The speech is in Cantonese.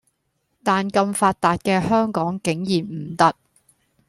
但咁發達嘅香港竟然唔得